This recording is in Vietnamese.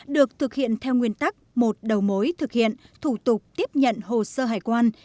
được thực hiện theo nguyên tắc một đầu mối thực hiện thủ tục tiếp nhận hồ sơ hải quan